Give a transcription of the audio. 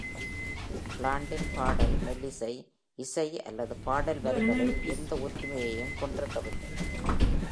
ப்ளாண்டின் பாடல் மெல்லிசை, இசை, அல்லது பாடல் வரிகளில் எந்த ஒற்றுமையையும் கொண்டிருக்கவில்லை.